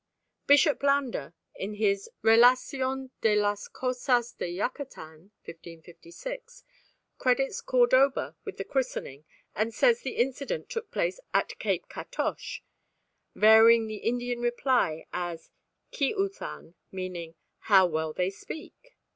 Bishop Landa, in his Relación de las Cosas de Yucatan (1556), credits Cordoba with the christening, and says the incident took place at Cape Catoche, varying the Indian reply as "Ci u than!" meaning "How well they speak!"